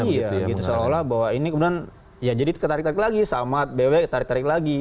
iya seolah olah bahwa ini kemudian ya jadi ketarik tarik lagi samat bewek ketarik tarik lagi